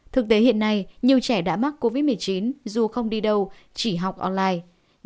thực tế hiện nay nhiều trẻ đã mắc covid một mươi chín dù không đi đâu chỉ học online